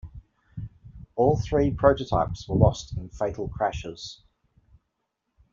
All three prototypes were lost in fatal crashes.